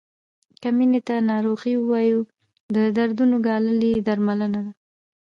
که مینې ته ناروغي ووایو د دردونو ګالل یې درملنه ده.